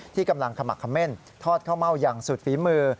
ที่กำลังขมักเม่นทอดข้าวเม่าอย่างสุดฝีมือ